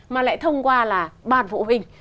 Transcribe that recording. mà lại thông qua là ban phụ huynh